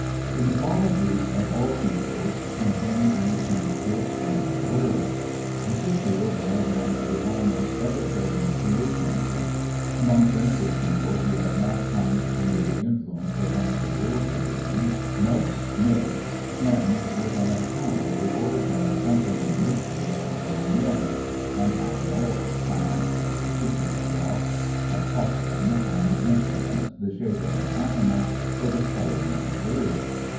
The mythologies of all peoples contain an attempt to explain the world. This is true of more than the almost everpresent creation myth. Among primitive people who have not come under the influence of one of the world religions, most myths end with an account of the origin of something in nature or Ail. ARCH. Km. 2. 8. 90 University of California Publications. [AM. ARCH. ETH. among men an animal or plant, a particular rock, a custom, an implement, the shape of an animal or the coloring of a bird.